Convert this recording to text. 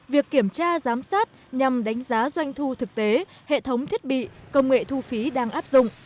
việc kiểm tra giám sát nhằm đánh giá doanh thu thực tế hệ thống thiết bị công nghệ thu phí đang áp dụng